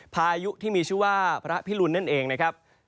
พายุที่มีชื่อว่าพระพิรุณนั่นเองนะครับ